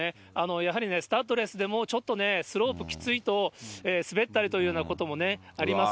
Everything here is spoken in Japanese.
やはりスタッドレスでも、ちょっとスロープきついと滑ったりというようなこともあります。